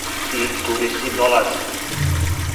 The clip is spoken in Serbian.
И туристи долазе.